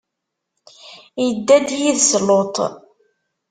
Idda-d yid-s Luṭ.